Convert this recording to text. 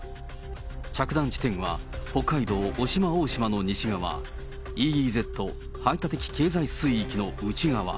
着弾地点は北海道渡島大島の西側、ＥＥＺ・排他的経済水域の内側。